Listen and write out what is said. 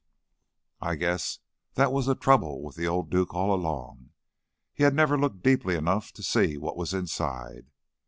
"I guess that was the trouble with the old duke all along; he had never looked deeply enough to see what was inside.